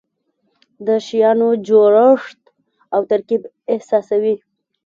د شیانو جوړښت او ترکیب احساسوي.